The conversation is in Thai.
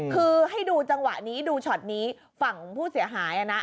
คือให้ดูจังหวะนี้ดูช็อตนี้ฝั่งผู้เสียหายนะ